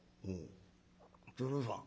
「鶴さん。